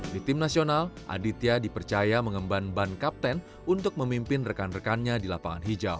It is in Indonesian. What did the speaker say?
di tim nasional aditya dipercaya mengemban ban kapten untuk memimpin rekan rekannya di lapangan hijau